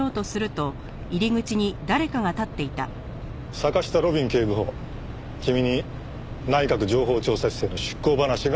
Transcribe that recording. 坂下路敏警部補君に内閣情報調査室への出向話が出ている。